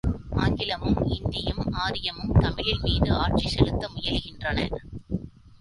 ஆங்கிலமும், இந்தியும், ஆரியமும் தமிழின்மீது ஆட்சி செலுத்த முயலுகின்றன.